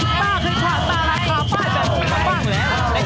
ป้าเคยชาตาอะไรขาป้าจำนำอะไรบ้าง